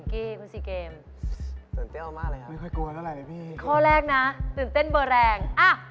เก็บเบอร์แรง